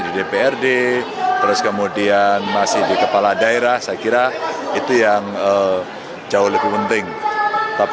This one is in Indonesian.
di dprd terus kemudian masih di kepala daerah saya kira itu yang jauh lebih penting tapi